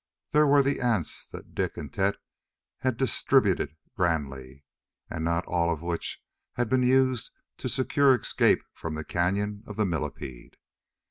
There were the ants that Dik and Tet had distributed grandly, and not all of which had been used to secure escape from the cañon of the millipede.